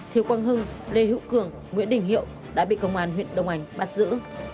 thiếu quang hưng lê hữu cường nguyễn đình hiệu đã bị công an huyện đông anh bắt giữ